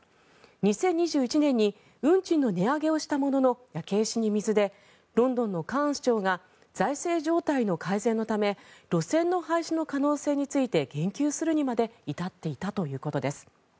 ２０２１年に運賃の値上げをしたものの焼け石に水でロンドンのカーン市長が財政状態の改善のため路線の廃止の可能性について言及するにまで至っていたということです。